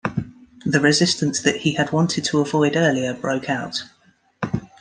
The resistance that he had wanted to avoid earlier broke out.